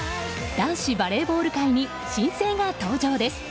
男子バレーボール界に新星が登場です。